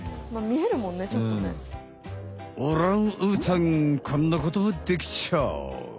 オランウータンこんなこともできちゃう。